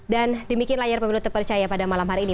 dan demikian layar pemilu terpercaya pada malam hari ini